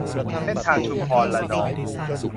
เส้นทางชุมพรระนอง